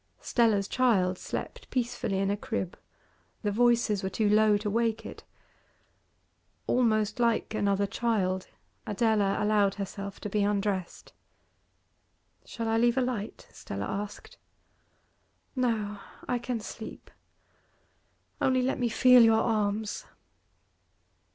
Stella's child slept peacefully in a crib; the voices were too low to wake it. Almost like another child, Adela allowed herself to be undressed. 'Shall I leave a light?' Stella asked. 'No, I can sleep. Only let me feel your arms.